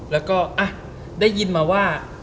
แล้วก็ได้ยินมาว่า